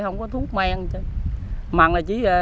không có thuốc men mặn là chỉ